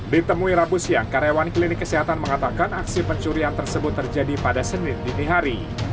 ditemui rabu siang karyawan klinik kesehatan mengatakan aksi pencurian tersebut terjadi pada senin dini hari